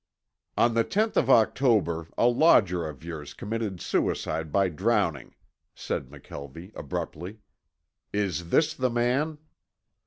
"On the tenth of October a lodger of yours committed suicide by drowning," said McKelvie abruptly. "Is this the man?"